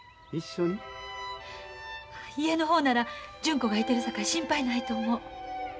家の方なら純子がいてるさかい心配ないと思う。